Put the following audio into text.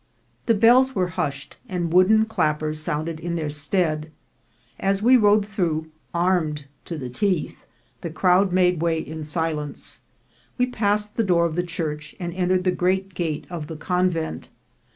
The bells were hushed, and wooden clappers sounded in their stead. As we rode through, armed to the teeth, the crowd made way in silence. We passed the door of the church, and en tered the great gate of the convent.